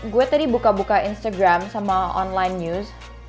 gue tadi buka buka instagram sama online news